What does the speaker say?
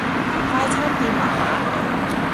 快餐店麻麻